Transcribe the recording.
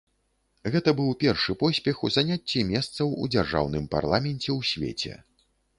Гэта быў першы поспех у заняцці месцаў у дзяржаўным парламенце ў свеце.